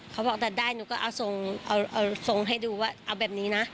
เขาบอกแต่ได้หนูก็เอาทรงให้ดูว่าเอาแบบนี้นะ